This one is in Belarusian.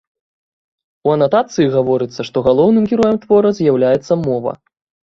У анатацыі гаворыцца, што галоўным героем твора з'яўляецца мова.